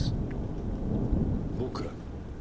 僕らの？